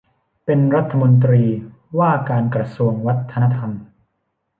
เป็นรัฐมนตรีว่าการกระทรวงวัฒนธรรม